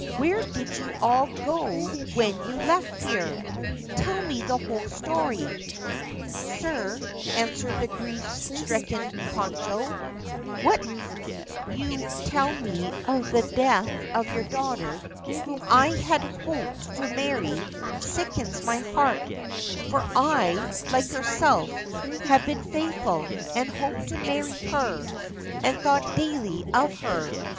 Where did you all go when you left here ? Tell me the whole story.' ' Sir,' answered the grief stricken Konojo, ' what you tell me of the death of your daughter, whom I had hoped to marry, sickens my heart, for I, like herself, had been faithful, and I hoped to marry her, and thought daily of her.